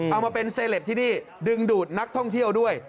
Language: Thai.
เอามาเป็นเซลปที่นี่ดึงดูดนักท่องเที่ยวด้วย